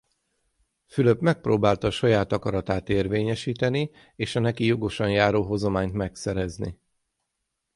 Fülöp megpróbálta a saját akaratát érvényesíteni és a neki jogosan járó hozományt megszerezni.